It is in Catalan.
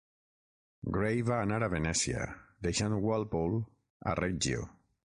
Gray va anar a Venècia, deixant Walpole a Reggio.